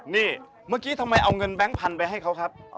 นี่เมื่อกี้ทำไมเอาเงินแบงค์พันธุไปให้เขาครับ